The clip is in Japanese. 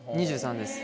２３です。